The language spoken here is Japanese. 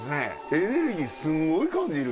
エネルギーすごい感じる。